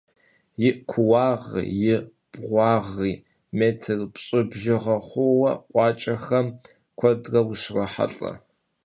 Yi kuuağri yi bğuağri mêtr pş'ı bjjığe xhuue khuaç'exem kuedre vurohelh'e.